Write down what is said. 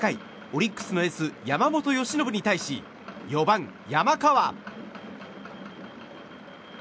オリックスのエース山本由伸に対し４番、山川。